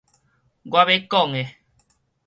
我欲講的